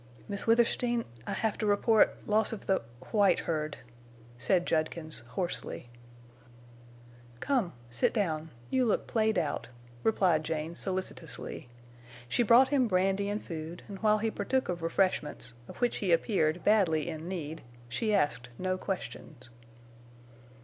"Miss Withersteen, I have to report—loss of the—white herd," said Judkins, hoarsely. "Come, sit down, you look played out," replied Jane, solicitously. She brought him brandy and food, and while he partook of refreshments, of which he appeared badly in need, she asked no questions.